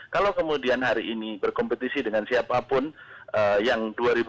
kalau kemudian hari ini berkompetisi dengan siapapun yang dua ribu dua puluh